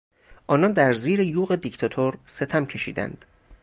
آنان در زیر یوغ دیکتاتور ستم کشیدند.